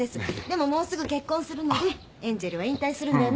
でももうすぐ結婚するのでエンジェルは引退するんだよね？